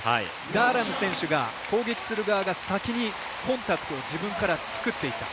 ダーラム選手が攻撃する側が先にコンタクトを自分から作っていった。